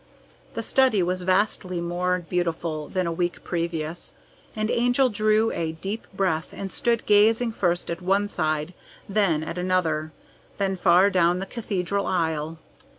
The study was vastly more beautiful than a week previous. The Angel drew a deep breath and stood gazing first at one side, then at another, then far down the cathedral aisle.